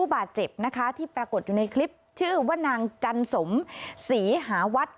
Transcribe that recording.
บาดเจ็บนะคะที่ปรากฏอยู่ในคลิปชื่อว่านางจันสมศรีหาวัด